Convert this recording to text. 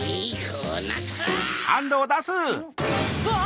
うわ！